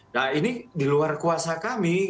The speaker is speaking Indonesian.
nah ini di luar kuasa kami